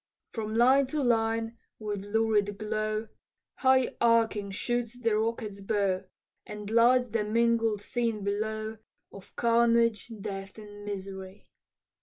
From line to line, with lurid glow, High arching shoots the rocket's bow, And lights the mingled scene below Of carnage, death, and misery.